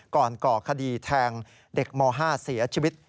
ก่อคดีแทงเด็กม๕เสียชีวิต